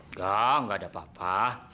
enggak enggak ada apa apa